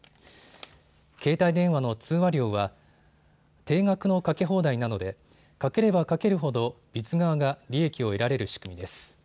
携帯電話の通話料は定額のかけ放題なのでかければかけるほどＢＩＳ側が利益を得られる仕組みです。